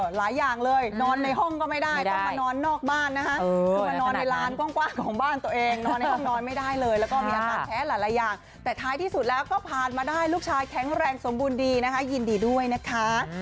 หลายอย่างเลยนอนในห้องก็ไม่ได้ต้องมานอนนอกบ้านนะคะต้องมานอนในลานกว้างของบ้านตัวเองนอนในห้องนอนไม่ได้เลยแล้วก็มีอาการแพ้หลายอย่างแต่ท้ายที่สุดแล้วก็ผ่านมาได้ลูกชายแข็งแรงสมบูรณ์ดีนะคะยินดีด้วยนะคะ